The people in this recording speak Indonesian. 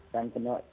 dan kedua negara